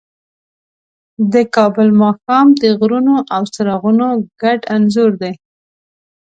د کابل ماښام د غرونو او څراغونو ګډ انځور دی.